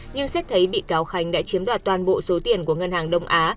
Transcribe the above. nhưng xét thấy bị cáo khánh đã chiếm đoạt toàn bộ số tiền của ngân hàng đông á